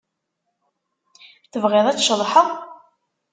Tebɣiḍ ad tceḍḥeḍ?